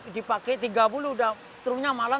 dipakai tiga puluh trumnya malam